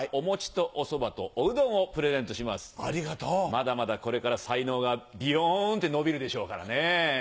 まだまだこれから才能がビヨンって伸びるでしょうからね。